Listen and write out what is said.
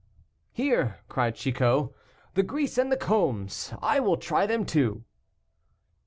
"Here," cried Chicot, "the grease and the combs, I will try them too."